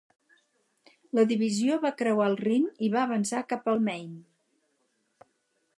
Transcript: La divisió va creuar el Rin i va avançar cap el Main.